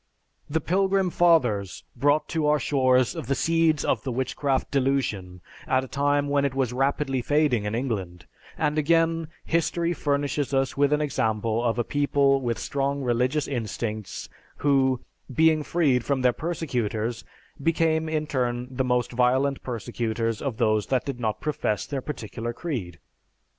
The Pilgrim Fathers brought to our shores the seeds of the Witchcraft Delusion at a time when it was rapidly fading in England, and again history furnishes us with an example of a people with strong religious instincts who, being freed from their persecutors, became in turn the most violent persecutors of those that did not profess their particular creed.